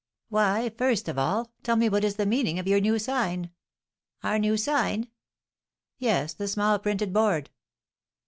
"Why, first of all, tell me what is the meaning of your new sign?" "Our new sign?" "Yes; the small printed board."